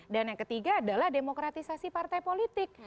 dan yang ketiga adalah demokratisasi partai politik